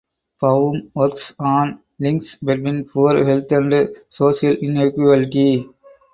Baum works on links between poor health and social inequality.